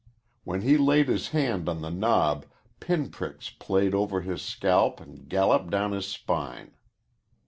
When he laid his hand on the knob pinpricks played over his scalp and galloped down his spine.